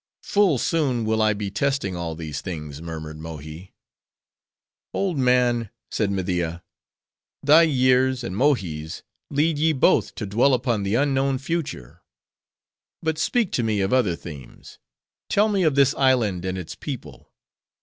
"Full soon will I be testing all these things," murmured Mohi. "Old man," said Media, "thy years and Mohi's lead ye both to dwell upon the unknown future. But speak to me of other themes. Tell me of this island and its people.